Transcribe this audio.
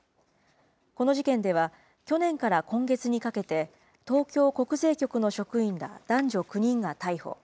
この事件では、去年から今月にかけて、東京国税局の職員ら男女９人が逮捕。